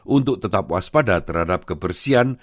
untuk tetap waspada terhadap kebersihan